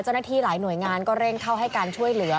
เจ้าหน้าที่หลายหน่วยงานก็เร่งเข้าให้การช่วยเหลือ